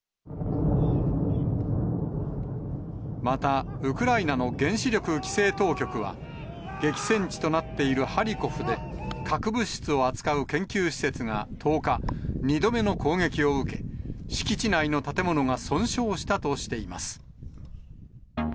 また、ウクライナの原子力規制当局は、激戦地となっているハリコフで、核物質を扱う研究施設が１０日、２度目の攻撃を受け、敷地内の建物が損傷したとしています。